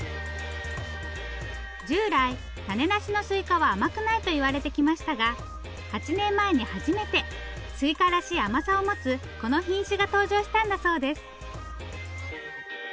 従来種なしのすいかは甘くないといわれてきましたが８年前に初めてすいからしい甘さを持つこの品種が登場したんだそうです。